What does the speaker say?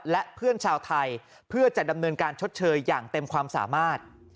และเพื่อนชาวไทยเพื่อจะดำเนินการชดเชยอย่างเต็มความสามารถ